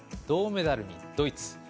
銅メダルにドイツ。